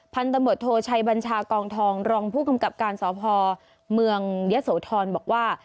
พันธมตโทชัยบัญชากองทองรองผู้กำกับการสพเมืองยะโสธรบอกว่า